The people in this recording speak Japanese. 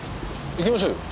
行きましょうよ。